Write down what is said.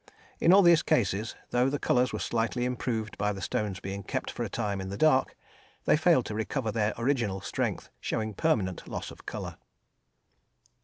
In all these cases, though the colours were slightly improved by the stones being kept for a time in the dark, they failed to recover their original strength, showing permanent loss of colour.